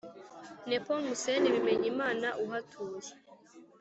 Nepomuscène Bimenyimana uhatuye